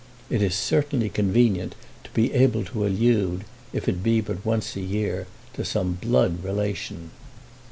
It is certainly convenient to be able to allude, if it be but once in a year, to some blood relation.